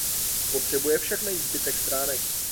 Potřebuje však najít zbytek stránek.